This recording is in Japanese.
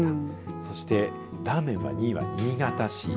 そしてラーメンは２位は新潟市。